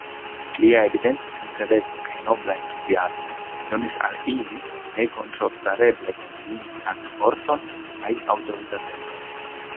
Lia evidenta sincereco kaj nobla entuziasmo donis al ili nekontraŭstareble konvinkan forton kaj aŭtoritatecon.